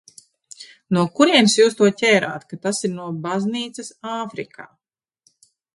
No kurienes jūs to ķērāt, ka tas ir no baznīcas Āfrikā?